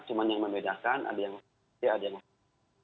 cuma yang membedakan ada yang masih ada yang masih